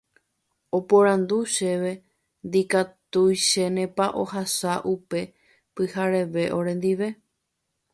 Oporandu chéve ndikatuichénepa ohasa upe pyhareve orendive.